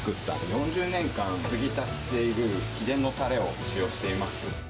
４０年間、つぎ足している秘伝のたれを使用しています。